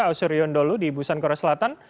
auserion dolo di busan korea selatan